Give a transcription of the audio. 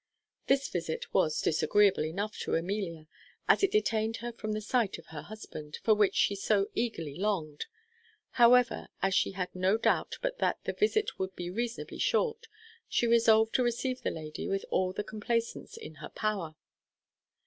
This visit was disagreeable enough to Amelia, as it detained her from the sight of her husband, for which she so eagerly longed. However, as she had no doubt but that the visit would be reasonably short, she resolved to receive the lady with all the complaisance in her power.